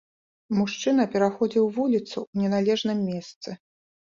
Мужчына пераходзіў вуліцу ў неналежным месцы.